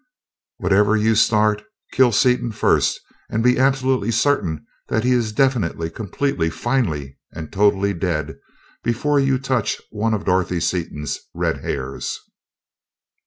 Whatever you start, kill Seaton first, and be absolutely certain that he is definitely, completely, finally and totally dead before you touch one of Dorothy Seaton's red hairs.